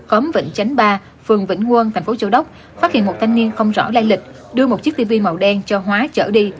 khóm vĩnh chánh ba phường vĩnh nguồn tp châu đốc phát hiện một thanh niên không rõ lai lịch đưa một chiếc tv màu đen cho hóa chở đi